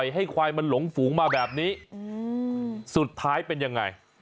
ให้ควายมันหลงฝูงมาแบบนี้สุดท้ายเป็นยังไง